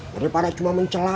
daripada cuma mencelak